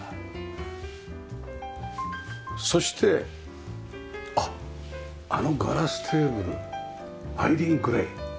そしてあっあのガラステーブルアイリーン・グレイ。